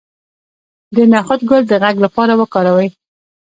د نخود ګل د غږ لپاره وکاروئ